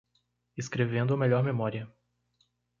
Escrevendo? a melhor memória.